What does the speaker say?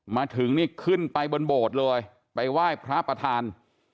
มาถึงนี่ขึ้นไปบนโบสถ์เลยไปไหว้พระประธาน